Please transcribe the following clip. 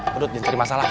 pedut jangan cari masalah